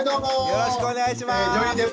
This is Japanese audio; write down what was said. よろしくお願いします。